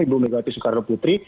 ibu megawati soekarno putri